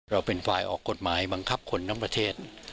เราเป็นฝ่ายออกกฎหมายบังคับคนทั้งประเทศ